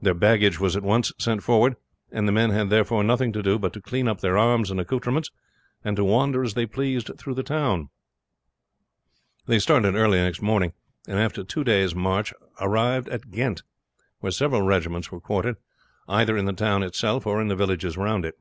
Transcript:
Their baggage was at once sent forward, and the men had therefore nothing to do but to clean up their arms and accoutrements, and to wander as they pleased through the town. They started early next morning, and after two days' marching arrived at Ghent, where several regiments were quartered, either in the town itself or in the villages round it.